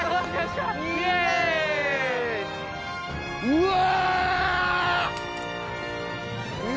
うわ！